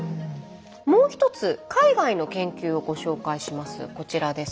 もう１つ海外の研究をご紹介します。